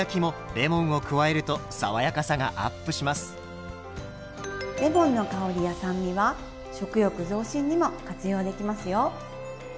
レモンの香りや酸味は食欲増進にも活用できますよ。